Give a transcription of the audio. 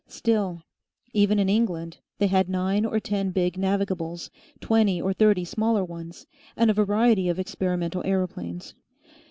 Still, even in England they had nine or ten big navigables, twenty or thirty smaller ones, and a variety of experimental aeroplanes.